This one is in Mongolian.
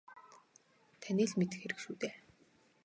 Таны л мэдэх хэрэг шүү дээ.